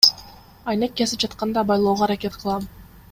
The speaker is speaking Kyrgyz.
Айнек кесип жатканда абайлоого аракет кылам.